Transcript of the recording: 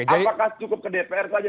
apakah cukup ke dpr saja